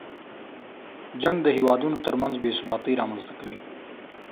جنګ د هېوادونو تر منځ بې ثباتۍ رامنځته کوي.